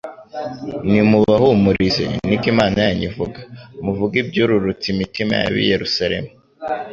nimubahumurize. Niko Imana yanyu ivuga. Muvuge ibyururutsa imitima y'ab'i Yerusalemu,